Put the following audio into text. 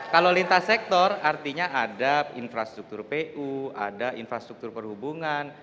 kalau lintas sektor artinya ada infrastruktur pu ada infrastruktur perhubungan